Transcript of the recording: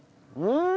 うん。